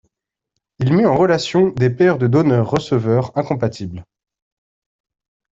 Il met en relation des pairs de donneur-receveur incompatibles.